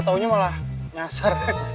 taunya malah nyasar